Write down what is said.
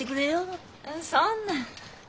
そんな。